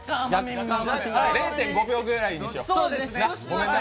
０．５秒ぐらいにしよう。